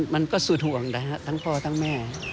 มันก็สุดห่วงนะครับทั้งพ่อทั้งแม่